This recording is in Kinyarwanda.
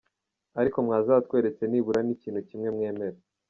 ariko mwazatweretse nibura n’ikintu kimwe mwemera ?